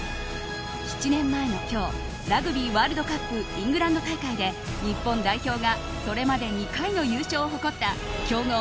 ７年前の今日ラグビーワールドカップイングランド大会で日本代表がそれまで２回の優勝を誇った強豪